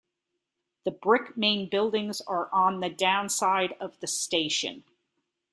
The brick main buildings are on the down side of the station.